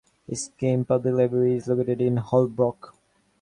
Sachem Public Library is located in Holbrook.